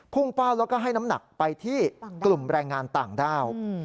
เป้าแล้วก็ให้น้ำหนักไปที่กลุ่มแรงงานต่างด้าว